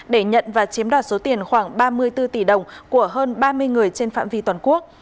để nhận và chiếm đoạt số tiền khoảng ba mươi bốn tỷ đồng của hơn ba mươi người trên phạm vi toàn quốc